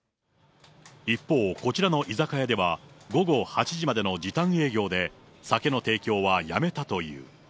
一方、こちらの居酒屋では、午後８時までの時短営業で、酒の提供はやめたという。